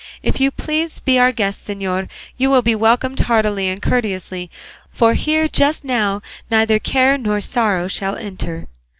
If you please to be our guest, señor, you will be welcomed heartily and courteously, for here just now neither care nor sorrow shall enter."